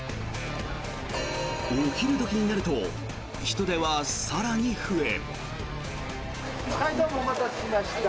お昼時になると人出は更に増え。